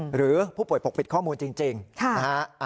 หรือผู้ป่วยปกปิดข้อมูลจริงนะฮะ